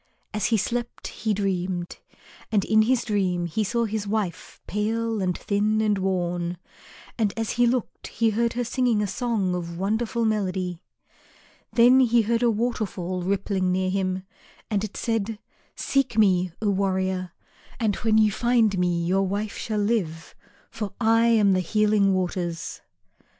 As he slept he dreamed. And in his dream he saw his wife pale and thin and worn, and as he looked he heard her singing a song of wonderful melody. Then he heard a waterfall rippling near him and it said, "Seek me, O warrior, and when you find me your wife shall live, for I am the Healing Waters."